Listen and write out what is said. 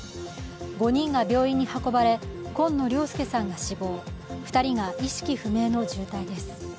５人が病院に運ばれ紺野良介さんが死亡、２人が意識不明の重体です。